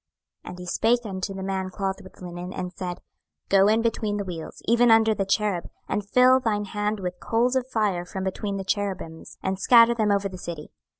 26:010:002 And he spake unto the man clothed with linen, and said, Go in between the wheels, even under the cherub, and fill thine hand with coals of fire from between the cherubims, and scatter them over the city.